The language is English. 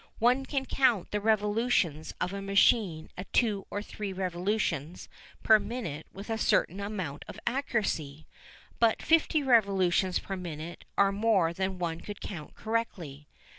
One can count the revolutions of a machine at two or three revolutions per minute with a certain amount of accuracy, but fifty revolutions per minute are more than one could count correctly.